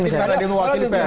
misalnya dia mewakili pers